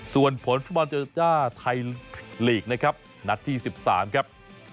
ส่วนผลคู่อื่นนะครับมกระเสมบรรดิษฐ์ไทยลีกนะครับนัดที่๑๓ครับ